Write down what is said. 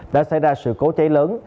đã xảy ra sự cố cháy lớn